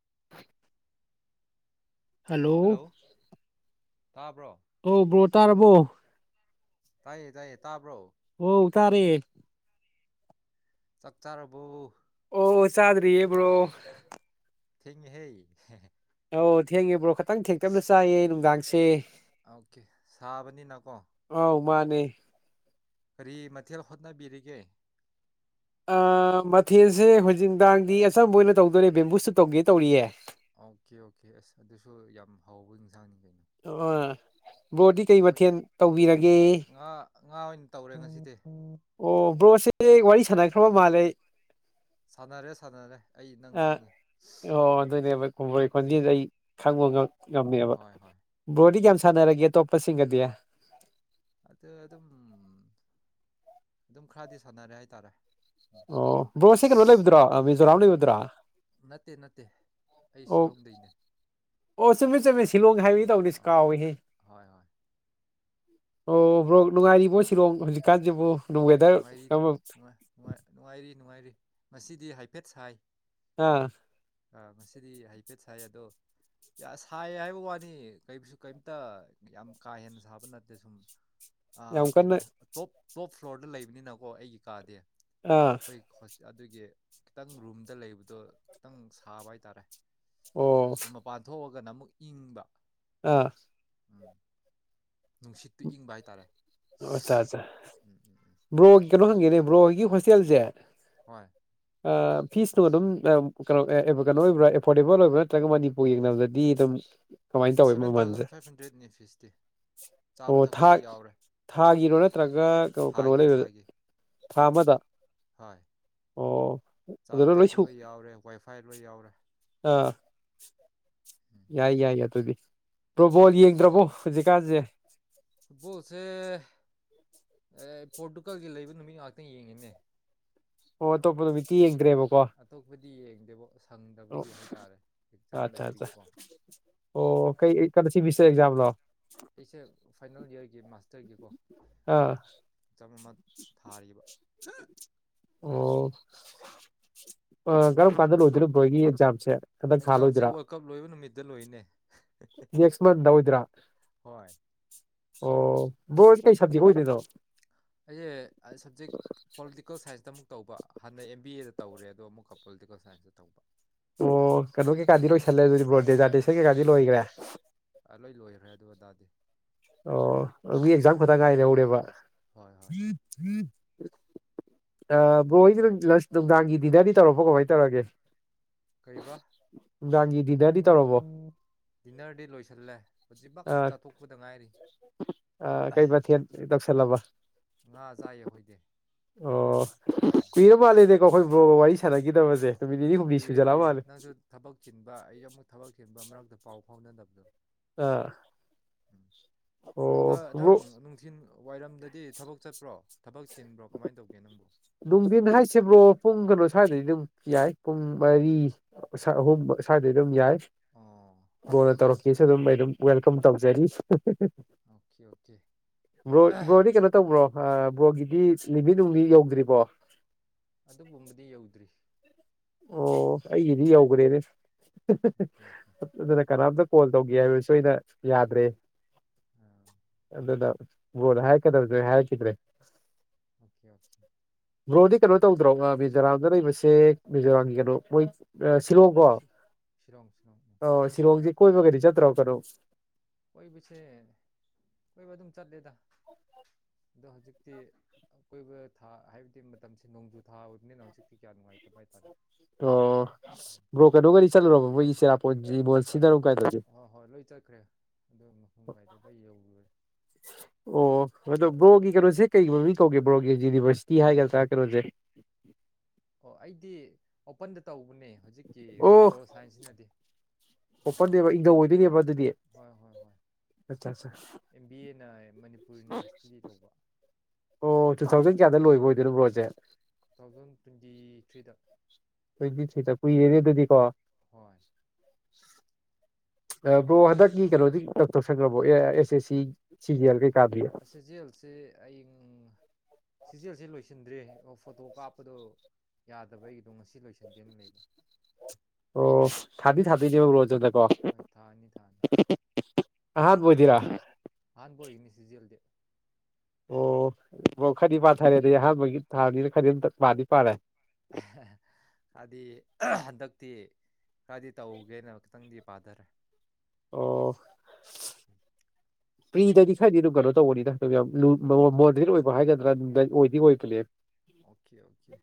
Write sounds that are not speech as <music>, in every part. <unintelligible> Hello hello ꯇꯥꯕ꯭ꯔꯣ꯫ ꯑꯣ bro ꯇꯥꯔꯕꯣ? ꯇꯥꯏꯌꯦ ꯇꯥꯏꯌꯦ ꯇꯥꯕ꯭ꯔꯣ꯫ ꯋꯣ ꯇꯥꯔꯦ꯫ ꯆꯥꯛ ꯆꯥꯔꯕꯣ? ꯑꯣ ꯆꯥꯗ꯭ꯔꯤꯌꯦ ꯕ꯭ꯔꯣ꯫ ꯊꯤꯡꯉꯦ ꯍꯩ ꯍꯦꯍꯦ꯫ ꯑꯧ ꯊꯦꯡꯉꯦ ꯕ꯭ꯔꯣ ꯈꯇꯪ ꯊꯦꯡꯇꯞꯅ ꯆꯥꯏꯌꯦ ꯅꯨꯡꯗꯥꯡꯁꯦ꯫ ꯑꯣꯀꯦ ꯁꯥꯕꯅꯤꯅꯀꯣ꯫ ꯑꯥꯎ ꯃꯥꯅꯦ꯫ ꯀꯔꯤ ꯃꯊꯦꯜ ꯍꯣꯠꯅꯕꯤꯔꯤꯒꯦ? ꯑ ꯃꯊꯦꯜꯁꯦ ꯍꯧꯖꯤꯛ ꯅꯨꯡꯗꯥꯡꯗꯤ ꯑꯆꯝꯕ ꯑꯣꯏꯅ ꯇꯧꯗꯣꯔꯦ ꯕꯦꯝꯕꯨꯁꯨꯇ ꯇꯧꯒꯦ ꯇꯧꯔꯤꯌꯦ꯫ ꯑꯣꯀꯦ ꯑꯣꯀꯦ ꯑꯁ ꯑꯗꯨꯁꯨ ꯌꯥꯝ ꯍꯥꯎꯕ ꯌꯦꯟꯁꯥꯡꯅꯤ ꯀꯩꯅꯣ꯫ ꯑ ꯕ꯭ꯔꯣꯗꯤ ꯀꯩ ꯍꯣꯏ ꯃꯊꯦꯜ ꯇꯧꯕꯤꯔꯒꯦ? ꯉꯥ ꯉꯥ ꯑꯣꯏꯅ ꯇꯧꯔꯦ ꯉꯁꯤꯗꯤ꯫ ꯑꯣ ꯕ꯭ꯔꯣꯁꯦ ꯋꯥꯔꯤ ꯁꯥꯟꯅꯈ꯭ꯔꯕ ꯃꯥꯜꯂꯦ꯫ ꯁꯥꯟꯅꯔꯦ ꯁꯥꯟꯅꯔꯦ ꯑꯩ ꯅꯪ ꯑ ꯈꯪꯉꯦ ꯑꯣ ꯎꯝ ꯑꯗꯨꯅꯦꯕ <unintelligible> ꯎꯝ ꯈꯣꯟꯖꯦꯟꯁꯦ ꯑꯩ ꯈꯪꯕ ꯉꯝ ꯉꯝꯃꯦꯕ ꯍꯣꯏ ꯍꯣꯏ ꯕ꯭ꯔꯣꯗꯤ ꯀꯌꯥꯝ ꯁꯥꯟꯅꯔꯒꯦ ꯑꯇꯣꯞꯄꯁꯤꯡꯒꯗꯤ꯫ ꯑꯗꯨ ꯑꯗꯨꯝ ꯑꯗꯨꯝ ꯈꯔꯗꯤ ꯁꯥꯟꯅꯔꯦ ꯍꯥꯏꯇꯥꯔꯦ꯫ ꯎꯝ ꯑꯣ ꯕ꯭ꯔꯣꯁꯦ ꯀꯩꯅꯣ ꯂꯩꯕꯗ꯭ꯔꯣ ꯃꯤꯖꯣꯔꯥꯝ ꯂꯩꯕꯗꯨꯔꯣ꯫ ꯅꯠꯇꯦ ꯅꯠꯇꯦ ꯑꯩ ꯑꯣ ꯁꯤꯂꯣꯡꯗꯩꯅꯦ꯫ ꯑꯣ ꯆꯨꯝꯃꯦ ꯆꯨꯝꯃꯦ ꯁꯤꯂꯣꯡ ꯍꯥꯏꯕꯒꯦ ꯑꯥ ꯑꯥ ꯇꯧꯔꯤꯅꯤ ꯑꯁ ꯑꯥ ꯀꯥꯎꯋꯤꯍꯦ꯫ ꯍꯣꯏ ꯍꯣꯏ ꯑꯣ ꯕ꯭ꯔꯣꯛ ꯅꯨꯡꯉꯥꯏꯔꯤꯕꯣ ꯁꯤꯂꯣꯡ ꯍꯧꯖꯤꯛꯀꯥꯟꯁꯤꯕꯣ꯫ ꯅꯨꯡꯉꯥꯏꯔꯤꯅꯦ ꯅꯨꯡꯉꯥꯏ ꯅꯨꯡꯉꯥꯏ ꯅꯨꯡꯉꯥꯏꯔꯤ ꯅꯨꯡꯉꯥꯏꯔꯤ ꯉꯁꯤꯗꯤ ꯍꯥꯏꯐꯦꯠ ꯁꯥꯏ꯫ ꯑꯥ ꯑꯥ ꯉꯁꯤꯗꯤ ꯍꯥꯏꯐꯦꯠ ꯁꯥꯏ ꯑꯗꯣ ꯌꯥ ꯁꯥꯏ ꯍꯥꯏꯕ ꯋꯥꯅꯤ ꯀꯩꯁꯨ ꯀꯩꯝꯇ ꯌꯥꯝ ꯀꯥ ꯍꯦꯟꯅ ꯁꯥꯕ ꯅꯠꯇꯦ ꯁꯨꯝ ꯌꯥꯝ ꯑ ꯀꯟꯅ ꯀꯩꯅꯣ ꯇꯣꯞ ꯇꯣꯞ ꯐ꯭ꯂꯣꯔꯗ ꯂꯩꯕꯅꯤꯅꯀꯣ ꯑꯩꯒꯤ ꯀꯥꯗꯤ ꯑꯥ ꯑꯩꯈꯣꯏ ꯑꯗꯨꯒꯤ ꯈꯤꯇꯪ ꯔꯨꯝꯗ ꯂꯩꯕꯗꯣ ꯈꯤꯇꯪ ꯁꯥꯕ ꯍꯥꯏꯇꯥꯔꯦ ꯑꯣ ꯑꯗꯨ ꯃꯄꯥꯟ ꯊꯣꯛꯑꯒꯅ ꯑꯃꯨꯛ ꯏꯪꯕ ꯑꯥ ꯎꯝ ꯅꯨꯡꯁꯤꯠꯇꯨ ꯏꯪꯕ ꯍꯥꯏꯇꯥꯔꯦ ꯑꯣ ꯑꯠꯆꯥ ꯑꯠꯆꯥ ꯎꯝ ꯎꯝ ꯎꯝ ꯕ꯭ꯔꯣꯒꯤ ꯀꯩꯅꯣ ꯍꯪꯒꯦꯅꯦ ꯕ꯭ꯔꯣꯍꯣꯏꯒꯤ ꯍꯣꯁꯇꯦꯜꯁꯦ ꯍꯣꯏ ꯑꯥ ꯐꯤꯁꯇꯣ ꯑꯗꯨꯝ ꯀꯩꯅꯣ ꯀꯩꯅꯣ ꯑꯣꯏꯕ꯭ꯔꯥ ꯑꯦꯐꯣꯔꯗꯦꯕꯜ ꯑꯣꯏꯕ꯭ꯔꯥ ꯅꯠꯇ꯭ꯔꯒ ꯃꯅꯤ ꯌꯦꯡꯅꯕꯗꯗꯤ ꯑꯗꯨꯝ ꯀꯃꯥꯏꯅ ꯇꯧꯋꯤ ꯁꯕꯦꯟ ꯃꯃꯜꯁꯦ ꯊꯥꯎꯖꯟ ꯐꯥꯏꯚ ꯍꯟꯗ꯭ꯔꯦꯠꯅꯤ ꯐꯤꯁꯇꯤ ꯆꯥꯕ ꯑꯣ ꯊꯛꯄ ꯊꯥ ꯂꯣꯏ ꯌꯥꯎꯔꯦ ꯊꯥꯒꯤꯔꯣ ꯅꯠꯇ꯭ꯔꯒ ꯀꯩꯅꯣ ꯊꯥꯒꯤ ꯂꯩꯕꯗ ꯊꯥꯒꯤ ꯊꯥ ꯑꯃꯗ ꯍꯣꯏ ꯑꯣ ꯆꯥꯕ ꯑꯗꯨꯗ ꯊꯛꯄ ꯁꯨ ꯂꯣꯏ ꯌꯥꯎꯔꯦ ꯋꯥꯏꯐꯥꯏ ꯂꯣꯏ ꯌꯥꯎꯔꯦ ꯑꯥ ꯎꯝ ꯌꯥꯏ ꯌꯥꯏ ꯑꯗꯨꯗꯤ ꯐꯨꯠꯕꯣꯜ ꯌꯦꯡꯗ꯭ꯔꯕꯣ ꯍꯧꯖꯤꯛꯀꯥꯟꯁꯦ ꯐꯨꯠꯕꯣꯜꯁꯦ ꯄꯣꯔꯇꯨꯒꯜꯒꯤ ꯂꯩꯕ ꯅꯨꯃꯤꯠ ꯉꯥꯛꯇ ꯌꯦꯡꯉꯤꯅꯦ ꯑꯣ ꯑꯇꯣꯞꯄ ꯅꯨꯃꯤꯠꯇꯤ ꯌꯦꯡꯗ꯭ꯔꯦꯕꯀꯣ ꯑꯇꯣꯞꯄꯗꯤ ꯌꯦꯡꯗꯦꯕꯣ ꯑꯣ ꯁꯪꯗꯕꯒꯤ ꯍꯥꯏꯇꯥꯔꯦ ꯑꯦꯛꯖꯥꯝ ꯑꯠꯆꯥ ꯑꯠꯆꯥ ꯂꯩꯕꯒꯤꯀꯣ ꯑꯣ ꯀꯩ ꯀꯩ ꯁꯦꯃꯤꯁꯇꯔ ꯑꯦꯛꯖꯥꯝꯂꯣ ꯑꯩꯁꯦ ꯐꯥꯏꯅꯦꯜ ꯏꯌꯥꯔꯒꯤ ꯃꯥꯁꯇꯔꯒꯤꯀꯣ ꯑꯥ ꯆꯝꯅ ꯊꯥꯔꯤꯌꯦꯕ ꯑꯣ ꯀꯔꯝ ꯀꯥꯟꯗ ꯂꯣꯏꯗꯣꯏꯅꯣ ꯕ꯭ꯔꯣꯍꯣꯏꯒꯤ ꯑꯦꯛꯖꯥꯝꯁꯦ ꯍꯟꯗꯛ ꯊꯥ ꯑꯦꯛꯖꯥꯝꯁꯦ ꯂꯣꯏꯗꯣꯏꯔꯥ ꯋꯥꯔꯜ ꯀꯞ ꯂꯣꯏꯕ ꯅꯨꯃꯤꯠꯇ ꯂꯣꯏꯅꯦ ꯅꯦꯛꯁ ꯃꯟꯗ ꯑꯣꯏꯗꯣꯏꯔꯥ ꯍꯣꯏ ꯑꯣ ꯕ꯭ꯔꯣꯍꯣꯏꯁꯦ ꯀꯩ ꯁꯕꯖꯦꯛ ꯑꯣꯏꯗꯣꯏꯅꯣ ꯑꯩꯌꯦ ꯑꯥꯏ ꯁꯕꯖꯦꯛ ꯄꯣꯂꯤꯇꯤꯀꯦꯜ ꯁꯥꯏꯟꯁꯇ ꯑꯃꯨꯛ ꯇꯧꯕ ꯍꯥꯟꯅ ꯑꯦꯝ ꯕꯤ ꯑꯦꯗ ꯇꯧꯔꯦ ꯑꯗꯣ ꯑꯃꯨꯛꯀ ꯄꯣꯂꯤꯇꯤꯀꯦꯜ ꯁꯥꯏꯟꯁꯇ ꯇꯧꯕ ꯑꯣ ꯀꯩꯅꯣ ꯀꯩꯀꯥꯗꯤ ꯂꯣꯏꯁꯜꯂꯦ ꯑꯗꯨꯗꯤ ꯕ꯭ꯔꯣ ꯗꯦꯖꯥꯔꯗꯦꯁꯟ ꯀꯩꯀꯥꯗꯤ ꯂꯣꯏꯈ꯭ꯔꯦ ꯑ ꯂꯣꯏ ꯂꯣꯏꯈ꯭ꯔꯦ ꯑꯗꯨ ꯑꯗꯥꯗꯤ ꯑꯣ ꯑꯗꯨꯗꯤ ꯑꯦꯛꯖꯥꯝ ꯈꯛꯇ ꯉꯥꯏꯍꯧꯔꯦꯕ ꯍꯣꯏ ꯍꯣꯏ ꯑꯥ ꯕ꯭ꯔꯣꯍꯣꯏꯒꯤ ꯂꯟꯁ ꯅꯨꯡꯗꯥꯡꯒꯤ ꯗꯤꯅꯔꯗꯤ ꯇꯧꯔꯕꯣ ꯀꯃꯥꯏꯅ ꯇꯧꯔꯒꯦ ꯀꯩꯕ ꯅꯨꯡꯗꯥꯡꯒꯤ ꯗꯤꯅꯔꯗꯤ ꯇꯧꯔꯕꯣ ꯗꯤꯟꯅꯔꯗꯤ ꯂꯣꯏꯁꯤꯜꯂꯦ ꯍꯧꯖꯤꯛꯃꯛ ꯆꯥꯊꯣꯛꯄꯗ ꯉꯥꯏꯔꯤ ꯑ ꯀꯩ ꯃꯊꯦꯜ ꯇꯧꯁꯤꯜꯂꯕ ꯉꯥ ꯆꯥꯏꯌꯦ ꯑꯩꯈꯣꯏꯗꯤ ꯑꯣ ꯎꯝ ꯀꯨꯏꯔ ꯃꯥꯜꯂꯦꯅꯦꯀꯣ ꯑꯈꯣꯏ ꯕ꯭ꯔꯣꯒ ꯋꯥꯔꯤ ꯁꯥꯟꯅꯈꯤꯗꯕꯁꯦ ꯅꯨꯃꯤꯠ ꯅꯤꯅꯤ ꯍꯨꯝꯅꯤ ꯀꯨꯏꯔꯦ ꯁꯨꯖꯤꯜꯂꯛꯑ ꯀꯨꯏꯔꯦ ꯃꯥꯜꯂꯦ ꯅꯪꯁꯨ ꯊꯕꯛ ꯆꯤꯟꯕ ꯑꯩꯁꯦ ꯑꯃꯨꯛ ꯊꯕꯛ ꯆꯤꯟꯕ ꯃꯔꯛꯇ ꯄꯥꯎ ꯐꯥꯎꯅꯗꯕꯗꯣ ꯑꯥ ꯎꯝ ꯑꯣ ꯅꯪ ꯕ꯭ꯔꯣ ꯅꯨꯡꯊꯤꯜ ꯋꯥꯏꯔꯝꯗꯗꯤ ꯊꯕꯛ ꯆꯠꯄ꯭ꯔꯣ ꯊꯕꯛ ꯆꯤꯟꯕ꯭ꯔꯣ ꯀꯃꯥꯏꯅ ꯇꯧꯒꯦ ꯅꯪꯕꯨ ꯅꯨꯡꯊꯤꯟ ꯍꯥꯏꯁꯤꯕ꯭ꯔꯣ ꯄꯨꯡ ꯀꯩꯅꯣ ꯁ꯭ꯋꯥꯏꯗꯗꯤ ꯑꯗꯨꯝ ꯌꯥꯏ ꯄꯨꯡ ꯃꯔꯤ ꯑꯍꯨꯝ ꯁꯥꯏꯗꯗꯤ ꯑꯗꯨꯝ ꯌꯥꯏ ꯑꯣ ꯕ꯭ꯔꯣꯅ ꯇꯧꯔꯛꯀꯦꯁꯨ ꯑꯗꯨꯝ ꯑꯩ ꯑꯗꯨꯝ ꯋꯦꯜꯀꯝ ꯇꯧꯖꯔꯤ ꯑꯣꯀꯦ ꯑꯣꯀꯦ ꯕ꯭ꯔꯣ ꯕ꯭ꯔꯣꯗꯤ ‌ꯀꯩꯅꯣ ꯇꯧꯕ꯭ꯔꯣ ꯑꯥ ꯕ꯭ꯔꯣꯒꯤꯗꯤ ꯅꯨꯅꯤꯃꯤꯠ ꯌꯧꯗ꯭ꯔꯤꯕꯣ ꯑꯗꯨꯒꯨꯝꯕꯗꯤ ꯌꯧꯗ꯭ꯔꯤ ꯑꯣ ꯑꯩꯒꯤꯗꯤ ꯎꯝ ꯌꯧꯒ꯭ꯔꯦꯅꯦ ꯑꯣꯀꯦ ꯑꯣꯀꯦ ꯑꯗꯨꯅ ꯀꯅꯥꯝꯇ ꯀꯣꯜ ꯇꯧꯒꯦ ꯍꯥꯏꯕꯁꯨ ꯑꯩꯅ ꯌꯥꯗ꯭ꯔꯦ ꯑꯝ ꯑꯗꯨꯗ ꯕꯣꯗ ꯍꯥꯏꯔꯀꯗꯕꯗꯨ ꯑꯩ ꯍꯥꯏꯈꯤꯗ꯭ꯔꯦ ꯑꯣꯀꯦ ꯑꯣꯀꯦ ꯕ꯭ꯔꯣꯗꯤ ꯀꯩꯅꯣ ꯇꯧꯗ꯭ꯔꯣ ꯉ ꯃꯤꯖꯣꯔꯥꯝꯗ ꯂꯩꯕꯁꯦ ꯃꯤꯖꯣꯔꯥꯝꯒꯤ ꯀꯩꯅꯣ ꯃꯣꯏ ꯁꯤꯂꯣꯡ ꯂꯣ ꯁꯤ ꯁꯤꯂꯣꯡ ꯁꯤꯂꯣꯡ ꯎꯝ ꯑꯣ ꯁꯤꯂꯣꯡꯁꯦ ꯀꯣꯏꯕꯒꯗꯤ ꯆꯠꯇ꯭ꯔꯣ ꯀꯩꯅꯣ ꯀꯣꯏꯕꯁꯦ ꯀꯣꯏꯕ ꯑꯗꯨꯝ ꯆꯠꯂꯦꯗ ꯑꯗꯣ ꯍꯧꯖꯤꯛꯇꯤ ꯑꯀꯣꯏꯕ ꯊꯥ ꯍꯥꯏꯕꯗꯤ ꯃꯇꯝꯁꯦ ꯅꯣꯡꯖꯨ ꯊꯥꯕꯅꯤꯅ ꯍꯧꯖꯤꯛꯇꯤ ꯀꯌꯥ ꯅꯨꯡꯉꯥꯏꯇꯕ ꯍꯥꯏꯇꯥꯔꯦ ꯑꯣ ꯕ꯭ꯔꯣ ꯀꯩꯅꯣꯒꯗꯤ ꯆꯜꯂꯨꯔꯕꯣ ꯃꯣꯏ ꯆꯤꯔꯥꯄꯨꯟꯖꯤ ꯃꯣ ꯍꯣꯏ ꯍꯣꯏ ꯂꯣꯏ ꯆꯠꯈ꯭ꯔꯦ ꯑꯗꯨ ꯃꯐꯝ ꯒꯩꯗ ꯂꯣꯏ ꯌꯧꯔꯨꯔꯦ ꯑꯣ ꯑꯗꯣ ꯕ꯭ꯔꯣꯒꯤ ꯀꯩꯅꯣꯁꯦ ꯀꯩ ꯃꯃꯤꯡ ꯀꯧꯒꯦ ꯕ꯭ꯔꯣꯒꯤ ꯌꯨꯅꯤꯚꯔꯁꯤꯇꯤ ꯍꯥꯏꯒꯗ꯭ꯔꯥ ꯀꯩꯅꯣꯁꯦ ꯑꯣ ꯑꯩꯗꯤ ꯑꯣꯄꯟꯗ ꯇꯧꯕꯅꯦ ꯍꯧꯖꯤꯛ ꯀꯤ ꯑꯣ ꯄꯣꯂꯣ ꯁꯥꯏꯟꯁꯤꯅꯗꯤ ꯎ <unintelligible> ꯗꯨꯗꯤ ꯍꯣꯏ ꯍꯣꯏ ꯍꯣꯏ ꯑꯆꯥ ꯆꯥ ꯑꯦꯝ ꯕꯤ ꯑꯦꯅ ꯃꯅꯤꯄꯨꯔ ꯌꯨꯅꯤꯚꯔꯁꯤꯇꯤꯗꯤ ꯇꯧꯕ ꯑꯣ ꯇꯨ ꯊꯥꯎꯖꯟ ꯀꯌꯥꯗ ꯂꯣꯏꯕ ꯑꯣꯏꯗꯣꯏꯅꯣ ꯕ꯭ꯔꯣꯖꯦ ꯇꯨ ꯊꯥꯎꯖꯟ ꯇ꯭ꯋꯦꯟꯇꯤ ꯊ꯭ꯔꯤꯗ ꯇ꯭ꯋꯦꯟꯇꯤ ꯊ꯭ꯔꯤꯗ ꯀꯨꯏꯔꯦꯅꯦ ꯑꯗꯨꯗꯤ ꯀꯣ <inaudible> ꯕ꯭ꯔꯣ ꯍꯟꯗꯛꯀꯤ ꯀꯩꯅꯣꯗꯤ ꯀ꯭ꯌꯥꯝ ꯇꯧꯁꯟꯈ꯭ꯔꯃꯣ A R S S C G L ꯀꯩꯀꯥꯒꯤ ꯁꯏ ꯖꯦꯜꯁꯤ ꯑꯌꯤꯡ ꯁꯤ ꯖꯦꯜꯁꯦ ꯂꯣꯏꯁꯤꯟꯗ꯭ꯔꯦ ꯑꯣ ꯐꯣꯇꯣ ꯀꯥꯞꯄꯗꯣ ꯌꯥꯗꯕ ꯑꯩꯒꯤꯗꯣ ꯉꯁꯤ ꯂꯣꯏꯁꯟꯒꯦꯅ ꯂꯩꯕ ꯑꯣ ꯊꯥꯗꯤ ꯊꯥꯗꯣꯏꯅꯦꯕ ꯕ꯭ꯔꯣ ꯗꯀꯣ ꯍꯣꯏ ꯊꯥ ꯑꯅꯤ ꯊꯥ ꯑꯅꯤ ꯑꯍꯥꯟꯕ ꯑꯣꯏꯗꯣꯏꯔꯣ ꯑꯍꯥꯟꯕ ꯑꯣꯏꯒꯅꯤ ꯁꯤ ꯖꯦꯜꯗꯤ ꯑꯣ ꯑꯣ ꯈꯗꯤ ꯄꯥꯊꯔꯦ ꯑꯗꯤ ꯑꯍꯥꯟꯕꯒꯤ ꯊꯥꯅꯤꯅ ꯈꯗꯤ ꯑꯝ ꯄꯥꯗꯤ ꯄꯥꯔꯦ ꯍꯥꯏꯗꯤ ꯍꯟꯗꯛꯇꯤ ꯈꯔꯗꯤ ꯇꯧꯒꯦꯅ ꯈꯤꯇꯪꯗꯤ ꯄꯥꯗꯔꯦ ꯑꯣ ꯎꯝ ꯄ꯭ꯔꯤꯗꯗꯤ ꯈꯔꯗꯤ ꯑꯗꯨꯝ ꯀꯩꯅꯣ ꯇꯧꯕꯅꯤꯗ ꯌꯥꯝ ꯂꯨ ꯑꯣ ꯃꯣꯗꯔꯦꯠ ꯑꯣꯏꯕ ꯍꯥꯏꯒꯗ꯭ꯔꯥ ꯅꯨꯡ ꯑꯣꯏꯗꯤ ꯑꯣꯏꯕꯅꯦ ꯑꯣꯀꯦ ꯑꯣꯀꯦ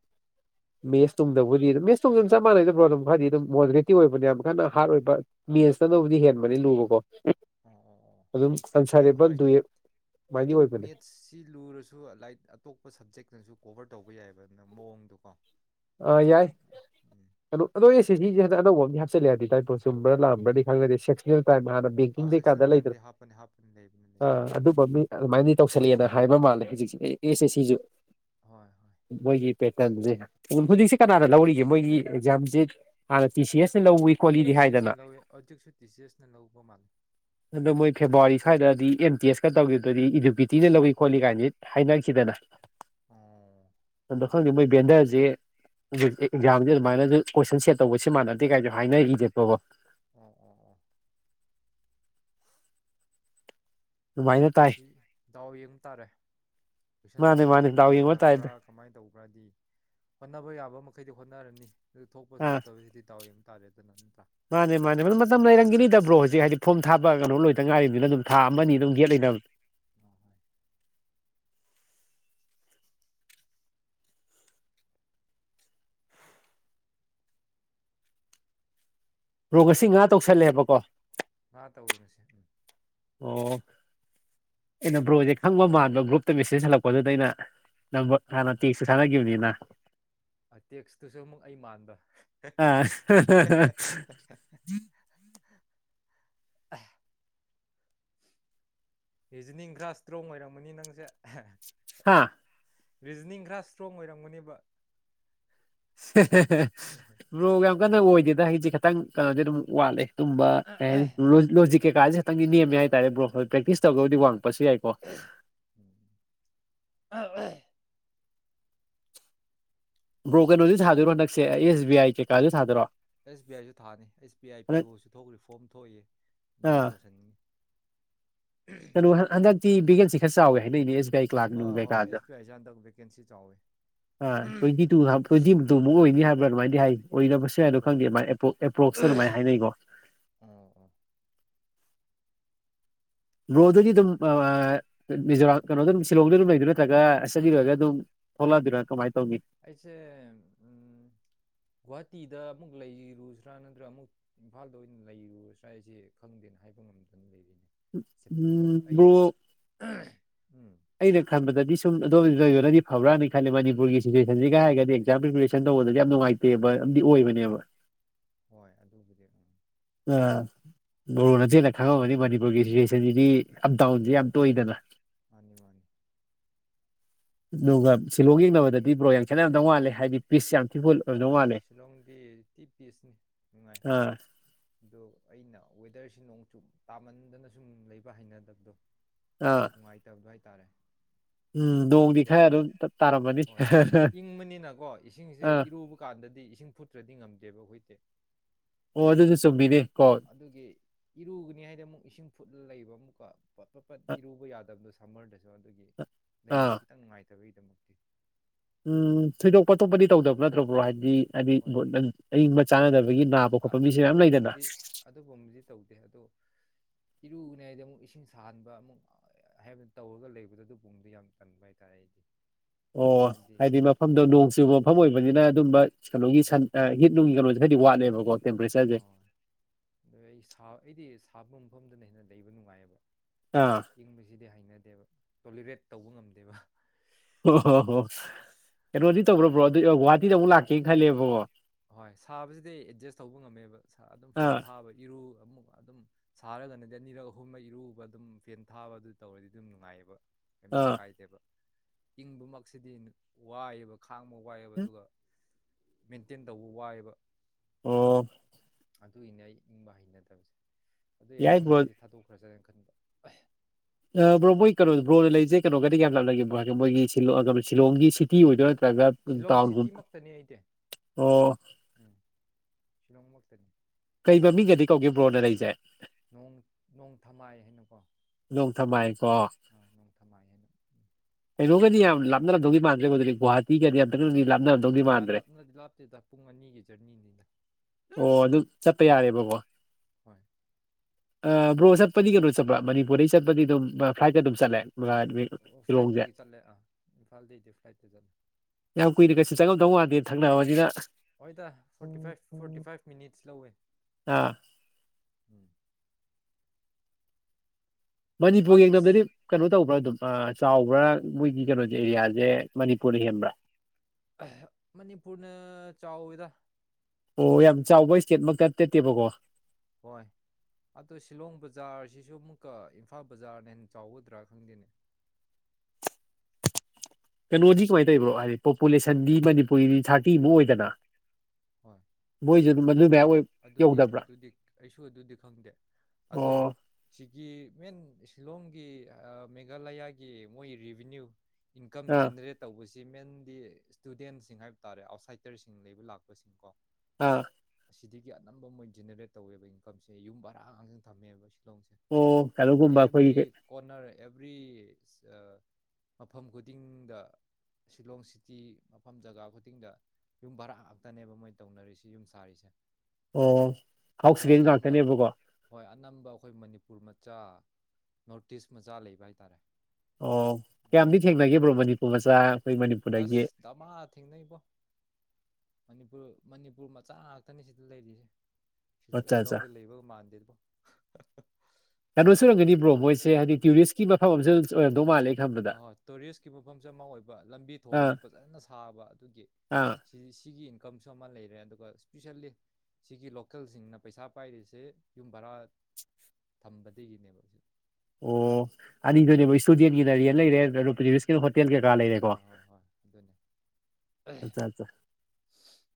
ꯃꯦꯁ ꯇꯨꯡꯗꯕꯨꯜꯂꯤ ꯑꯗꯨ ꯃꯁ ꯇꯨꯡꯗ ꯆꯞꯥꯟꯅꯩ ꯄ꯭ꯔꯣꯕꯝ ꯈꯔꯗꯤ ꯑꯗꯨꯝ ꯃꯣꯗ꯭ꯔꯦ <unintelligible> ꯑꯣꯏꯕꯅꯦ ꯌꯥꯝ ꯀꯟꯅ ꯍꯥꯔꯠ ꯎꯝ ꯑꯣꯏꯕ ꯃꯦꯟꯁꯇꯅꯕꯨꯗꯤ ꯍꯦꯟꯕꯅꯤ ꯂꯨꯕꯀꯣ ꯑꯣ ꯑꯣ ꯑꯣ ꯑꯗꯨꯝ ꯃꯦ ꯑꯟꯁꯔꯦꯕꯜ ꯍꯣꯏ ꯗꯨꯌꯦ ꯑꯗꯨꯃꯥꯏꯗꯤ ꯑꯗꯨ ꯑꯣꯏꯕꯅꯦ ꯃꯦꯠ ꯁꯤ ꯂꯨꯔꯁꯨ ꯂꯥꯏꯛ ꯑꯇꯣꯞꯄ ꯁꯕꯖꯦꯅꯁꯨ ꯀꯣꯕꯔ ꯇꯧꯕ ꯌꯥꯏꯑꯕ ꯑꯗꯨꯅ ꯃꯑꯣꯡꯗꯣ ꯀꯣ ꯑꯥ ꯌꯥꯏ ꯀꯅꯣ ꯑꯗꯣ ꯑꯦꯁ ꯁꯤ ꯁꯤ ꯒꯤꯁꯦ ꯍꯟꯗꯛ ꯑꯅꯧꯕ ꯑꯝꯗꯤ ꯍꯥꯞꯆꯤꯜꯂꯦ ꯍꯥꯏꯕꯗꯤ ꯇꯥꯏꯀꯣ ꯆꯨꯝꯕ꯭ꯔ ꯂꯥꯟꯕ꯭ꯔꯗꯤ <unintelligible> ꯇꯥꯏꯝ ꯍꯥꯟꯅ ꯑꯥꯎ ꯕꯦꯡꯀꯤꯡ ꯀꯩꯀꯥꯗ ꯁꯦꯛꯁꯟꯅꯜ ꯂꯩꯗꯅꯥ ꯇꯥꯏꯝꯗꯤ ꯍꯥꯞꯄꯅꯤ ꯍꯥꯞꯄꯅꯤ ꯂꯩꯕꯅꯤ ꯑꯥ ꯂꯩꯕꯅꯤ ꯑꯗꯨꯝꯕ ꯃꯤ ꯎꯝ ꯑꯗꯨꯃꯥꯏꯅꯗꯤ ꯇꯧꯁꯜꯂꯑꯦꯅ ꯍꯥꯏꯕ ꯃꯥꯜꯂꯦ ꯎꯝ ꯍꯧꯖꯤꯛꯁꯦ ꯑꯩ ꯑꯦꯁ ꯁꯤ ꯁꯤ ꯖꯨ ꯍꯣꯏ ꯍꯣꯏ ꯃꯣꯏꯒꯤ ꯄꯦꯇꯔꯟꯖꯦ ꯎ ꯍꯨꯖꯤꯛꯁꯦ ꯀꯅꯥꯅ ꯑꯗꯨꯅꯦ ꯂꯧꯔꯤ ꯃꯣꯏꯒꯤ ꯑꯦꯛꯖꯥꯝꯁꯦ ꯍꯥꯟꯅ ꯇꯤ ꯁꯤ ꯑꯦꯁꯅ ꯂꯧꯋꯤ꯫ ꯈꯣꯠꯂꯤꯗꯤ ꯇꯤ ꯁꯤ ꯑꯦꯁꯅ ꯍꯥꯏꯗꯅ ꯂꯧꯋꯦ ꯍꯧꯖꯤꯛꯁꯨ ꯇꯤ ꯁꯤ ꯑꯦꯁꯅ ꯂꯧꯕ ꯃꯥꯜꯂꯦ꯫ ꯑꯗꯣ ꯃꯣꯏ ꯐꯦꯕꯋꯥꯔꯤ ꯁ꯭ꯋꯥꯏꯗꯗꯤ ꯑꯦꯝ ꯇꯤ ꯑꯦꯁꯀ ꯇꯧꯒꯦꯗꯨꯗꯤ ꯏꯗꯨꯄꯤꯇꯤꯅ ꯂꯧꯏ ꯈꯣꯠꯂꯤ ꯀꯥꯏꯗꯤ꯫ ꯍꯥꯏꯅꯈꯤꯗꯅ꯫ ꯑꯣ ꯑꯁ ꯑꯗꯨꯒꯨꯝꯕꯗꯤ ꯈꯪꯗꯦ꯫ ꯑꯥ ꯍꯧꯖꯤꯛꯇꯤ ꯑꯦꯛꯖꯥꯝꯗꯤ ꯑꯗꯨꯃꯥꯏꯅꯁꯨ ꯀꯣꯏꯁꯟ ꯁꯦꯠ ꯇꯧꯕꯁꯤ ꯃꯥꯟꯅꯗꯦ ꯀꯥꯏꯁꯨ ꯍꯥꯏꯅꯔꯤꯗꯀꯣ꯫ ꯑꯣ ꯑꯣ ꯑꯣ꯫ ꯗꯨꯃꯥꯏꯅ꯫ ꯁꯤ ꯗꯥꯎ ꯌꯦꯡꯕ ꯇꯥꯔꯦ ꯀꯨꯏꯁꯟ ꯃꯥꯅꯦ ꯃꯥꯅꯦ ꯗꯥꯎ ꯂꯨꯅ ꯌꯦꯡꯕ ꯍꯥꯡꯉꯛꯄ꯭ꯔꯥ ꯇꯥꯏꯗ ꯀꯃꯥꯏꯅ ꯇꯧꯕ꯭ꯔꯗꯤ ꯍꯣꯠꯅꯕ ꯌꯥꯕ ꯃꯈꯩꯗꯤ ꯍꯣꯠꯅꯔꯅꯤ꯫ ꯑꯗꯨ ꯊꯣꯛꯄ ꯑꯥ ꯊꯣꯛꯇꯕꯁꯤꯗꯤ ꯗꯥꯎ ꯌꯦꯡꯕ ꯇꯥꯔꯦꯗꯅ ꯅꯠꯇ꯭ꯔꯥ ꯃꯥꯅꯦ ꯃꯥꯅꯦ ꯃꯇꯝ ꯎꯝ ꯂꯩꯔꯝꯒꯤꯅꯤꯗ ꯕ꯭ꯔꯣ ꯍꯧꯖꯤꯛ ꯍꯥꯏꯗꯤ ꯐꯣꯝ ꯊꯥꯕ ꯀꯩꯅꯣ ꯂꯣꯏꯇ ꯉꯥꯏꯔꯤꯅꯤꯅ ꯑꯗꯨꯝ ꯊꯥ ꯑꯃꯅꯤꯅꯤ ꯑꯗꯨꯝ ꯒꯦꯞ ꯂꯩꯅꯕꯅꯤ꯫ ꯑꯣꯏ ꯍꯣꯏ꯫ ꯕꯔꯣ ꯉꯁꯤ ꯉꯥ ꯇꯧꯁꯜꯂꯦꯕꯀꯣ꯫ ꯉꯥ ꯇꯧꯑꯦ ꯉꯥꯁꯤ ꯎꯝ꯫ ꯑꯣ ꯑꯩꯅ ꯕ꯭ꯔꯣꯁꯦ ꯈꯪꯕ ꯃꯥꯟꯕ ꯒ꯭ꯔꯨꯞꯇ ꯃꯦꯁꯦꯖ ꯍꯜꯂꯛꯄ ꯑꯗꯨꯗ ꯑꯩꯅ꯫ ꯅꯝꯕ ꯑꯥ ꯍꯥꯟꯅ ꯑꯥ ꯇꯦꯛꯁꯨ ꯊꯥꯅꯒꯤꯕꯅꯤꯅ꯫ ꯇꯦꯛꯁꯇꯨꯁꯨ ꯑꯃꯨꯛ ꯑꯩ ꯃꯥꯟꯕ꯫ ꯑ ꯔꯤꯖꯅꯤꯡ ꯈꯔ ꯏꯁꯇ꯭ꯔꯣꯡ ꯑꯣꯏꯔꯝꯃꯅꯤ ꯅꯪꯁꯦ꯫ ꯍꯥꯥ꯫ ꯔꯤꯖꯅꯤꯡ ꯈꯔ ꯏꯁꯇ꯭ꯔꯣꯡ ꯑꯣꯏꯔꯝꯒꯅꯤꯕ꯫ ꯕꯔꯣ ꯌꯥꯝ ꯀꯟꯅ ꯑꯣꯏꯗꯦꯗ ꯑꯩꯁꯦ ꯈꯤꯇꯪ ꯀꯩꯅꯣꯗꯤ ꯑꯗꯨꯝ ꯋꯥꯠꯂꯦ꯫ ꯇꯨꯝꯕ ꯀꯩꯍꯥꯏꯅꯤ ꯎꯝ ꯂꯣꯖꯤꯛ ꯀꯩꯀꯥꯁꯥ ꯈꯤꯇꯥꯡ ꯅꯦꯝꯃꯦ ꯍꯥꯏ ꯍꯥꯏꯔꯦ ꯕ꯭ꯔꯣ ꯄ꯭ꯔꯦꯛꯇꯤꯁ ꯇꯧꯔꯒꯕꯨꯗꯤ ꯋꯥꯡꯛꯄꯁꯨ ꯌꯥꯏꯀꯣ꯫ ꯎꯝ <unintelligible> ꯕ꯭ꯔꯣ ꯀꯩꯅꯣꯁꯨ ꯊꯥꯗꯣꯏꯔꯣ ꯍꯥꯟꯗꯥꯛꯁꯦ ꯑꯦꯁ ꯕꯤ ꯑꯥꯏ ꯀꯩꯀꯥꯁꯨ ꯊꯥꯗꯣꯏꯔꯣ꯫ ꯑꯦꯁ ꯕꯤ ꯑꯥꯏꯁꯨ ꯊꯥꯅꯤ ꯑꯦꯁ ꯕꯤ ꯑꯥꯏ ꯄꯤ ꯍꯟꯗꯛ ꯑꯣꯁꯨ ꯊꯣꯛꯎꯔꯤ ꯐꯣꯝ ꯊꯣꯛꯏ ꯑꯗꯨꯁꯨ ꯑꯥ ꯇꯧꯁꯟꯒꯦ꯫ ꯀꯩꯅꯣ ꯍꯟꯗꯛꯇꯤ ꯕꯤꯒꯦꯜꯁꯤ ꯈꯔ ꯆꯥꯎꯋꯦ ꯍꯥꯏꯅꯩꯅꯦ ꯑꯦꯁꯕꯤꯌꯥꯏꯒꯤ ꯫ ꯑ ꯍꯣꯏ ꯍꯣꯏ ꯑꯦꯁ ꯕꯤ ꯑꯥꯏꯖꯤ ꯍꯟꯗꯛ ꯕꯦꯀꯦꯟꯁꯤ ꯆꯥꯎꯋꯤ꯫ ꯑ ꯇ꯭ꯋꯦꯟꯇꯤ ꯇꯨ ꯇ꯭ꯋꯦꯟꯇꯤꯃꯨꯃꯨꯛ ꯑꯣꯏꯅꯤ ꯍꯥꯏꯕ꯭ꯔꯥ ꯑꯗꯨꯃꯥꯏꯗꯤ ꯍꯥꯏ꯫ ꯑꯣꯏꯅꯅꯕꯁꯨ ꯌꯥ ꯍꯥꯏꯅꯣ ꯍꯣꯏ ꯈꯪꯗꯦ ꯑꯦꯄ꯭ꯔꯣꯛꯁꯇ ꯑꯗꯨꯃꯥꯏꯅ ꯍꯥꯏꯅꯩꯀꯣ꯫ ꯑꯣ ꯑꯣ ꯕ꯭ꯔꯣꯗꯗꯤ ꯑꯗꯨꯝ ꯃꯤꯖꯣꯔꯥꯝ ꯀꯩꯅꯣꯗ ꯑꯗꯨꯝ ꯁꯤꯂꯣꯡꯗ ꯑꯗꯨꯝ ꯂꯩꯗ ꯅꯠꯇ꯭ꯔꯒ ꯏꯁꯇꯗꯤ ꯂꯣꯏꯔꯒ ꯑꯗꯨꯝ ꯊꯣꯛꯂꯗꯧꯔꯥ ꯀꯃꯥꯏ ꯇꯧꯅꯤ꯫ ꯑꯩꯁꯦ ꯒꯨꯍꯥꯇꯤꯗ ꯑꯃꯨꯛ ꯂꯩꯔꯨꯁꯤ꯭ꯔꯥ ꯅꯠꯇ꯭ꯔꯒ ꯑꯃꯨꯛ ꯏꯝꯐꯥꯜꯗ ꯑꯣꯏꯅ ꯂꯩꯔꯨꯔ ꯁ꯭ꯋꯥꯏꯁꯦ ꯈꯪꯗꯦꯅ ꯍꯥꯏꯕ ꯉꯝꯗꯅ ꯂꯩꯔꯤꯅꯦ ꯁꯤꯞꯇꯦꯝꯕ꯭ꯔꯣ ꯎꯝ ꯑꯩ ꯕ꯭ꯔꯣ ꯎꯝ ꯑꯩꯅ ꯈꯟꯕꯗꯗꯤ ꯁꯨꯝ ꯑꯗꯝꯣꯏꯕꯅꯗꯤ ꯐꯕ꯭ꯔꯥꯅ ꯑꯩꯅ ꯈꯥꯟꯕꯗꯗꯤ ꯁꯨꯝ ꯑꯗꯣ ꯃꯅꯤꯄꯨꯔꯒꯤ ꯁꯤꯆꯨꯋꯦꯁꯟꯁꯤꯒꯔꯗꯤ ꯑꯦꯛꯖꯥꯝ ꯄ꯭ꯔꯤꯄꯦꯁꯟ ꯇꯧꯕꯗꯗꯤ ꯌꯥꯝ ꯅꯨꯡꯉꯥꯏ ꯇꯦꯕ ꯑꯃꯗꯤ ꯎꯝ ꯑꯣꯏꯕꯅꯦꯕ꯫ ꯍꯣꯏ ꯑꯗꯨꯕꯨꯗꯤ ꯎꯝ꯫ ꯑꯥ ꯕ꯭ꯔꯣ ꯅꯥꯗꯤ ꯍꯦꯟꯅ ꯈꯪꯉꯝꯃꯅꯤ ꯃꯅꯤꯄꯨꯔꯒꯤ ꯁꯤꯆꯨꯋꯦꯁꯟꯁꯤꯗꯤ ꯑꯞꯗꯥꯎꯟꯁꯤ ꯍꯣꯏ ꯌꯥꯝ ꯍꯣꯏ ꯇꯣꯏꯗꯅ꯫ ꯃꯥꯅꯤ ꯃꯥꯅꯤ꯫ ꯑꯗꯨꯒ ꯁꯤꯂꯣꯡꯒ ꯌꯦꯡꯅꯕꯗꯗꯤ ꯕ꯭ꯔꯣ ꯌꯥꯝꯡ ꯈꯦꯠꯅꯔꯝꯗꯣꯏ ꯃꯥꯜꯂꯤ ꯍꯥꯏꯗꯤ ꯄꯤꯁ ꯌꯥꯝ ꯊꯤ ꯐꯨꯜ ꯑꯣꯏꯔꯝꯗꯧ ꯑꯁ ꯃꯥꯜꯂꯦ ꯁꯤꯂꯣꯡꯗꯤ ꯇꯤ ꯄꯤꯁꯅꯤ ꯅꯨꯡꯉꯥꯏ ꯑꯥ ꯑꯗꯣ ꯑꯩꯅ ꯋꯦꯗꯔꯁꯤ ꯅꯣꯡꯆꯨꯞ ꯇꯥꯃꯟꯗꯅ ꯁꯨꯝ ꯂꯩꯕ ꯍꯩꯅꯗꯕꯗꯣ꯫ ꯑꯥ ꯅꯨꯡꯉꯥꯏꯇꯕꯗꯣ ꯍꯥꯏꯇꯥꯔꯦ ꯎꯝ ꯅꯣꯡꯗꯤ ꯈꯔ ꯑꯗꯨꯒꯩꯠ ꯑꯗꯨꯝ ꯇꯥꯔꯝꯃꯅꯤ ꯍꯣꯏ ꯏꯪꯕꯅꯤꯅꯀꯣ ꯏꯁꯤꯡꯁꯦ ꯑꯥ ꯏꯔꯨꯕ ꯀꯥꯟꯗꯗꯤ ꯏꯁꯤꯡ ꯐꯨꯠꯇ꯭ꯔꯗꯤ ꯉꯝꯗꯦꯕ ꯑꯩꯈꯣꯏꯗꯤ ꯑꯣ ꯑꯗꯨꯁꯨ ꯆꯨꯝꯃꯤꯅꯦ ꯀꯣꯠ ꯑꯗꯨꯒꯤ ꯏꯔꯨꯒꯅꯤ ꯍꯥꯏꯗꯤ ꯑꯃꯨꯛ ꯏꯁꯤꯡ ꯐꯨꯠꯂ ꯂꯩꯕ ꯑꯃꯨꯛꯀ ꯄꯠ ꯄꯠ ꯏꯔꯨꯕ ꯌꯥꯗꯕꯗꯣ ꯁꯝꯃ꯭ꯔꯗꯁꯨ ꯑꯗꯨꯒꯤ ꯑꯥ ꯂꯩꯕꯖꯤ ꯈꯤꯇꯪ ꯅꯨꯡꯉꯥꯏꯇꯕꯒꯤꯗꯃꯛꯇꯤ ꯎꯝ ꯊꯣꯏꯗꯣꯛꯄ ꯑꯇꯣꯞꯄꯗꯤ ꯇꯧꯗꯕ꯭ꯔ ꯇꯧꯕ꯭ꯔꯣ ꯍꯥꯏꯗꯤ ꯍꯥꯏꯗꯤ ꯍꯣꯏ ꯒꯣꯠ ꯅꯪ ꯑꯏꯪꯕ ꯆꯥꯟꯅꯗꯕꯒꯤ ꯅꯥꯕ ꯈꯣꯠꯄ ꯃꯤꯁꯦ ꯃꯌꯥꯝ ꯂꯩꯗꯅ ꯑꯗꯨꯒꯨꯝꯕꯗꯤ ꯑꯗꯨꯒꯨꯝꯕꯗꯤ ꯇꯧꯗꯦ ꯑꯗꯣ ꯏꯔꯨꯒꯅꯦ ꯍꯥꯏꯗꯤ ꯑꯃꯨꯛ ꯏꯁꯤꯡ ꯁꯥꯍꯟꯕ ꯑꯃꯨꯛ ꯍꯥꯏꯕꯅꯦ ꯇꯧꯔꯒ ꯂꯩꯕꯗ ꯑꯗꯨ ꯄꯨꯝꯕꯗꯤ ꯌꯥꯝ ꯇꯟꯕ ꯍꯥꯏꯇꯥꯔꯦ ꯑꯩꯗꯤ ꯑꯣ ꯍꯥꯏꯕꯗꯤ ꯍꯥꯏꯗꯤ ꯃꯐꯝꯗꯣ ꯅꯣꯡ ꯆꯨꯕ ꯃꯐꯝ ꯑꯣꯏꯕꯅꯤꯅ ꯍꯣꯏ ꯑꯗꯨꯝꯕ ꯀꯩꯅꯣꯒꯤ ꯁꯟ ꯍꯣꯏ ꯑ ꯃꯤꯠ ꯅꯨꯡꯒꯤ ꯀꯅꯣꯖꯤ ꯈꯔꯗꯤ ꯋꯥꯠꯂꯦꯕꯀꯣ ꯇꯦꯝꯄꯔꯦꯆꯔꯁꯦ ꯍꯣꯏ ꯑꯗꯨ ꯑꯩ ꯁꯥꯕ ꯑꯩꯗꯤ ꯁꯥꯕꯅꯨꯡ ꯃꯐꯝꯗꯅ ꯍꯦꯟꯅ ꯂꯩꯕ ꯅꯨꯡꯉꯥꯏꯑꯕ ꯑꯥ ꯏꯪꯕꯖꯤꯗꯤ ꯍꯩꯅꯗꯦꯕ ꯇꯣꯂꯔꯦꯠ ꯇꯧꯕ ꯉꯝꯗꯦꯕ ꯀꯩꯅꯣꯗꯤ ꯇꯧꯕ꯭ꯔꯣ ꯑꯗꯨꯏꯅꯤꯗ ꯕ꯭ꯔꯣ ꯑꯗꯨ ꯑ ꯒꯨꯍꯥꯇꯤꯗ ꯑꯃꯨꯛ ꯂꯥꯛꯀꯦ ꯈꯜꯂꯦꯕꯀꯣ ꯍꯣꯏ ꯁꯥꯕꯁꯤꯗꯤ ꯑꯦꯗꯖ‌꯭ꯁ ꯇꯧꯕ ꯉꯝꯃꯦꯕ ꯁꯥ ꯑꯗꯨꯝ ꯐꯦꯟ ꯑꯥ ꯊꯥꯕ ꯏꯔꯨ ꯑꯃꯨꯛ ꯑꯗꯨꯝ ꯁꯥꯔꯒꯅꯗꯤ ꯑꯅꯤꯔꯛ ꯑꯍꯨꯝꯃꯛ ꯏꯔꯨꯕ ꯑꯗꯨꯝ ꯐꯦꯟ ꯊꯥꯕ ꯑꯗꯨ ꯇꯧꯔꯗꯤ ꯑꯗꯨꯝ ꯅꯨꯡꯉꯥꯏꯌꯦꯕ ꯀꯩꯝꯇ ꯑꯥ ꯀꯥꯏꯗꯦꯕ ꯏꯪꯕ ꯃꯛꯁꯤꯗꯤ ꯋꯥꯏꯑ‌ꯦꯕ ꯈꯥꯡꯕ ꯋꯥꯏꯑꯦꯕ ꯑꯗꯨꯒ ꯃꯦꯟꯇꯦꯟ ꯇꯧꯕ ꯋꯥꯏꯑꯦꯕ ꯑꯣ ꯑꯗꯨꯒꯤꯅꯦ ꯑꯩ ꯏꯪꯕ ꯍꯩꯅꯗꯕꯁꯦ ꯑꯗꯨꯏ ꯑꯩ ꯌꯥꯏ ꯕ꯭ꯔꯣ ꯃꯐꯝꯁꯦ ꯊꯥꯗꯣꯛꯈ꯭ꯔ ꯁ‌ꯦꯔꯅ ꯈꯟꯕ ꯕ꯭ꯔꯣ ꯃꯣꯏ ꯀꯩꯅꯣ ꯕ꯭ꯔꯣꯅ ꯂꯩꯖꯦ ꯀꯩꯅꯣꯒꯗꯤ ꯀꯌꯥꯝ ꯂꯞꯅꯒꯦꯕ꯭ꯔꯣ ꯍꯥꯏꯗꯤ ꯃꯣꯏꯒꯤ ꯁꯤ ꯁꯤꯂꯣꯡꯒꯤ ꯁꯤꯇꯤ ꯑꯣꯏꯗꯣꯏꯔ ꯅꯠꯇ꯭ꯔꯒ ꯁꯤꯂꯣꯡ ꯇꯥꯎꯟꯒꯨꯝ ꯁꯤꯇꯤꯃꯛꯇꯅꯦ ꯑꯩꯗꯤ ꯑꯣ ꯎꯝ ꯁꯤꯂꯣꯡꯃꯛꯇꯅꯤ ꯀꯩ ꯃꯃꯤꯡꯒꯗꯤ ꯀꯧꯒꯦ ꯕ꯭ꯔꯣꯅ ꯂꯩꯖꯦ ꯅꯣꯡ ꯅꯣꯡꯊꯃꯥꯏ ꯍꯥꯏꯅꯀꯣ ꯅꯣꯡ ꯊꯃꯥꯏꯀꯣ ꯍꯣꯏ ꯅꯣꯡ ꯊꯃꯥꯏ ꯍꯥꯏꯅ ꯎꯝ ꯀꯩꯅꯣꯒꯗꯤ ꯌꯥꯝ ꯂꯥꯞꯅꯔꯝꯗꯧꯗꯤ ꯃꯥꯟꯗ꯭ꯔꯦꯕꯣ ꯑꯗꯨꯗꯤ ꯒꯨꯍꯥꯇꯤꯒꯗꯤ ꯌꯥꯝ ꯀꯟꯅꯗꯤ ꯂꯥꯞꯅ ꯑ ꯂꯥꯞꯅꯗꯤ ꯂꯥꯞꯇꯦꯗ ꯄꯨꯡ ꯑꯅꯤꯒꯤ ꯖ꯭ꯔꯅꯤꯅꯤꯗ ꯑꯣ ꯑꯗꯨ ꯆꯠꯄ ꯌꯥꯔꯦꯕꯀꯣ ꯍꯣꯏ ꯑꯥ ꯕ꯭ꯔꯣ ꯆꯠꯄꯗꯤ ꯀꯩꯅꯣꯗ ꯆꯠꯄ꯭ꯔ ꯃꯅꯤꯄꯨꯔꯗꯩ ꯆꯠꯄꯗꯤ ꯑꯗꯨꯝ ꯕ ꯐ꯭ꯂꯥꯏꯠꯇ ꯑꯗꯨꯝ ꯆꯠꯂꯦ <unintelligible> ꯑꯣ ꯑꯣ ꯁꯤꯂꯣꯡꯁꯦ ꯐ꯭ꯂꯥꯏꯠꯇꯒꯤ ꯆꯠꯂꯦ ꯑ ꯏꯝꯐꯥꯜꯗꯩꯗꯤ ꯐ꯭ꯂꯥꯏꯠꯇ ꯆꯠꯂꯦ ꯌꯥꯝ ꯀꯨꯏꯅ ꯀꯩꯁꯨ ꯆꯪꯉꯝꯗꯧ ꯃꯥꯟꯗꯦ ꯊꯪꯅꯕꯅꯤꯅ ꯍꯣꯏꯗ forty five forty five minutes ꯂꯧꯋꯦ ꯑꯥ ꯎꯝ ꯃꯅꯤꯄꯨꯔꯒ ꯌꯦꯡꯅꯕꯗꯗꯤ ꯑꯠꯁ ꯀꯩꯅꯣ ꯇꯧꯕ꯭ꯔꯥ ꯑꯗꯨꯝ ꯑ ꯆꯥꯎꯕ꯭ꯔꯥ ꯃꯣꯏꯒꯤ ꯀꯩꯅꯣꯖꯦ ꯑꯦꯔꯤꯌꯥꯖꯦ ꯃꯅꯤꯄꯨꯔꯅ ꯍꯦꯟꯕ꯭ꯔꯥ ꯃꯅꯤꯄꯨꯔꯅ ꯆꯥꯎꯋꯤꯗ ꯑꯣ ꯌꯥꯝ ꯆꯥꯎꯕ ꯏꯁꯇꯦꯠ ꯃꯛꯀꯠ ꯅꯠꯇꯦꯕꯀꯣ ꯍꯣꯏ ꯑꯗꯨ ꯁꯤꯂꯣꯡ ꯕꯖꯥꯔꯁꯤꯁꯨ ꯑꯃꯨꯛꯀ ꯏꯝꯐꯥꯜ ꯕꯖꯥꯔꯅ ꯍꯦꯟꯅ ꯆꯥꯎꯒꯗ꯭ꯔꯥ ꯈꯪꯗꯦꯅꯦ ꯀꯩꯅꯣꯗꯤ ꯀꯃꯥꯏ ꯇꯧꯔꯤꯕꯣ ꯍꯥꯏꯗꯤ ꯄꯣꯄꯨꯂꯦꯁꯟꯗꯤ ꯃꯅꯤꯄꯨꯔꯤꯗꯤ ꯊꯥꯔꯇꯤꯃꯨꯛ ꯑꯣꯏꯗꯅ ꯍꯣꯏ ꯃꯣꯏꯁꯨ ꯑꯗꯨꯝ ꯑꯁ ꯑꯗꯨ ꯃꯌꯥ ꯑꯗꯨꯗꯤ ꯑꯣꯏ ꯑꯗꯨꯗꯤ ꯌꯧꯗꯕ꯭ꯔꯥ ꯑꯗꯨꯗꯤ ꯑꯩꯁꯨ ꯑꯗꯨꯗꯤ ꯈꯪꯗꯦ ꯑꯗꯣ ꯑꯣ ꯁꯤꯒꯤ ꯃꯦꯟ ꯁꯤꯂꯣꯡꯒꯤ ꯑ ꯃꯦꯒꯂꯌꯥꯒꯤ ꯃꯣꯏ ꯔꯤꯚꯤꯅ꯭ꯌꯨ ꯏꯟꯀꯝ ꯑꯥ ꯖꯦꯅꯔꯦꯠ ꯇꯧꯕꯁꯤ ꯃꯦꯟꯗꯤ ꯁ꯭ꯇꯨꯗꯦꯟꯁꯤꯡ ꯍꯥꯏꯕ ꯇꯥꯔꯦ ꯑꯥꯎꯠꯁꯥꯏꯗꯇꯔꯁꯤꯡ ꯂꯩꯕ ꯂꯥꯛꯄ ꯀꯣꯏꯁꯤꯡ ꯀꯣ ꯑꯥ ꯑꯁꯤꯗꯒꯤ ꯑꯅꯝꯕ ꯃꯣꯏ ꯖꯦꯅꯔꯦꯠ ꯇꯧꯋꯦꯕ ꯏꯟꯀꯝꯁꯦ ꯌꯨꯝ ꯕꯔꯥ ꯉꯇꯪ ꯊꯝꯃꯦꯕ ꯁꯤꯂꯣꯡꯁꯦ ꯑꯣ ꯀꯩꯅꯣꯒꯨꯝꯕ ꯑꯦꯕ꯭ꯔꯤ ꯑꯩꯈꯣꯏꯒꯤ ꯀꯣꯔꯅꯔ ꯑꯦꯕ꯭ꯔꯤ ꯑ ꯃꯐꯝ ꯈꯨꯗꯤꯡꯗ ꯁꯤꯂꯣꯡ ꯁꯤꯇꯤ ꯃꯐꯝ ꯖꯒꯥ ꯈꯨꯗꯤꯡꯗ ꯌꯨꯝ ꯕꯔꯥ ꯈꯛꯇꯅꯦꯕ ꯃꯣꯏ ꯇꯧꯅꯔꯤꯁꯤ ꯌꯨꯝ ꯁꯥꯔꯤꯁꯦ ꯑꯣ ꯍꯥꯎꯁ ꯑꯗꯣ ꯔꯦꯟ ꯑꯅꯝꯕ ꯉꯥꯛꯇꯅꯦꯕꯀꯣ ꯍꯣꯏ ꯑꯅꯝꯕ ꯑꯩꯈꯣꯏ ꯃꯅꯤꯄꯨꯔ ꯃꯆꯥ ꯅꯣꯔꯠ ꯏꯁ ꯃꯆꯥ ꯂꯩꯕ ꯍꯥꯏꯇꯥꯔꯦ ꯑꯣ ꯀꯌꯥꯝꯗꯤ ꯊꯦꯡꯅꯦꯒꯦ ꯕ꯭ꯔꯣ ꯃꯅꯤꯄꯨꯔ ꯃꯆꯥ ꯑꯩꯈꯣꯏ ꯑꯁ ꯃꯅꯤꯄꯨꯔꯗꯒꯤ ꯗꯃꯥ ꯊꯦꯡꯅꯩꯕꯣ ꯃꯅꯤꯄꯨꯔ ꯃꯅꯤꯄꯨꯔ ꯃꯆꯥ ꯉꯥꯛꯇꯅꯤ ꯁꯤꯗ ꯂꯩꯔꯤꯁꯦ ꯁꯤꯂꯣꯡ ꯑꯠꯆꯥ ꯑꯠꯆꯥ ꯁꯤꯂꯣꯡꯗ ꯂꯩꯕꯒ ꯃꯥꯟꯗꯦꯕꯣ ꯀꯩꯅꯣꯁꯨ ꯑꯣꯏꯔꯕꯒꯅꯤ ꯕ꯭ꯔꯣ ꯃꯣꯏꯁꯦ ꯍꯥꯏꯗꯤ ꯇꯨꯔꯤꯁꯀꯤ ꯃꯐꯝ ꯑꯃꯁꯨ ꯑꯣꯏꯔꯝꯗꯧ ꯃꯥꯜꯂꯦ ꯑꯩ ꯈꯟꯕꯗ ꯑꯣ ꯍꯣꯏ ꯇꯨꯔꯤꯁꯀꯤ ꯃꯐꯝꯁꯨ ꯑꯃ ꯑꯣꯏꯕ ꯂꯝꯕꯤ ꯑꯥ ꯊꯣꯡꯁꯦ ꯐꯖꯅ ꯁꯥꯕ ꯑꯗꯨꯒꯤ ꯑꯥ ꯁꯤ ꯁꯤꯒꯤ ꯏꯟꯀꯝꯁꯨ ꯑꯃ ꯂꯩꯔꯦ ꯑꯗꯨꯒ ꯏꯁꯄꯤꯁꯦꯜꯂꯤ ꯁꯤꯒꯤ ꯂꯣꯀꯦꯜꯁꯤꯡꯅ ꯄꯩꯁꯥ ꯄꯥꯏꯔꯤꯁꯦ ꯌꯨꯝ ꯚꯔꯥ ꯊꯝꯕꯗꯒꯤꯅꯦꯕ ꯍꯧꯖꯤꯛ ꯑꯣ ꯑꯅꯤꯗꯨꯅꯦꯕ ꯏꯁꯇꯨꯗꯦꯟꯒꯤꯅ ꯔꯦꯟ ꯂꯩꯔꯦ <unintelligible> ꯍꯣꯇꯦꯟ ꯀꯩꯀꯥ ꯂꯩꯔꯦꯀꯣ ꯍꯣꯏ ꯍꯣꯏ ꯍꯣꯏ ꯍꯣꯏ ꯑꯗꯨꯅꯦ ꯑꯆꯥ <inaudible>